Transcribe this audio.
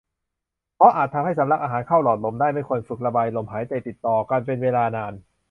เพราะอาจทำให้สำลักอาหารเข้าหลอดลมได้ ไม่ควรฝึกระบายลมหายใจติดต่อกันเป็นเวลานาน